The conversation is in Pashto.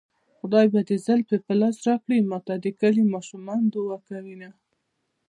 خدای به دې زلفې په لاس راکړي ماته د کلي ماشومان دوعا کوينه